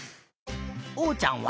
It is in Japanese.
おうちゃんは？